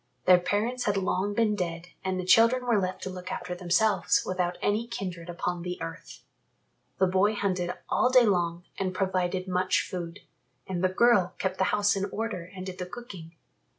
Their parents had long been dead and the children were left to look after themselves without any kindred upon the earth. The boy hunted all day long and provided much food, and the girl kept the house in order and did the cooking.